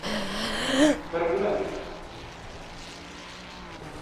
Bir günem…